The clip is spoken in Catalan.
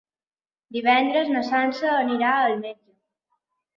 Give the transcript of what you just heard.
Divendres na Sança anirà al metge.